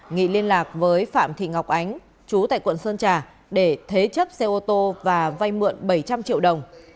nghị liên lạc với phạm thị ngọc ánh chú tại quận sơn trà để thế chấp xe ô tô và vay mượn bảy trăm linh triệu đồng